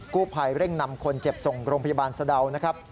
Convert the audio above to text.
ผู้ภัยเร่งนำคนเจ็บส่งโรงพยาบาลสะดาวนะครับ